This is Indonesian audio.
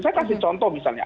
saya kasih contoh misalnya